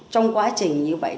trong quá trình như vậy